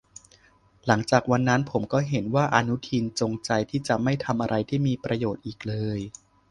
หลังจากวันนั้นผมก็เห็นว่าอนุทินจงใจที่จะไม่ทำอะไรที่มีประโยชน์อีกเลย